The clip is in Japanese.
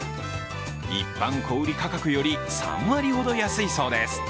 一般小売価格より３割ほど安いそうです。